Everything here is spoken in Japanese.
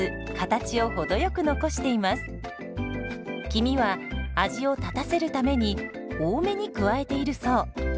黄身は味を立たせるために多めに加えているそう。